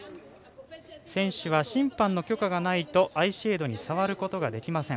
選手は審判の許可がないとアイシェードに触ることができません。